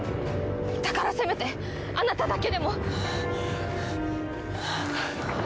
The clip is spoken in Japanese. だからせめてあなただけでも！